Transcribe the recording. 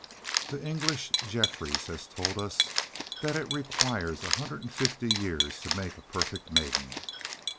The English Jefferies has told us that it requires a hundred and fifty years to make a perfect maiden.